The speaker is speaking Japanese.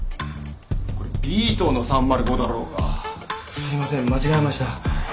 すいません間違えました。